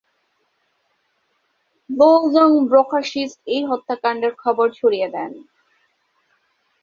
ব্লো-ব্জাং-ব্ক্রা-শিস এই হত্যাকাণ্ডের খবর ছড়িয়ে দেন।